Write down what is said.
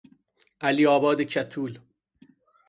علیآباد کتول